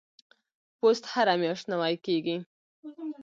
پوست هره میاشت نوي کیږي.